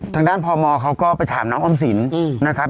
ทางด้านพมเขาก็ไปถามน้องออมศิลป์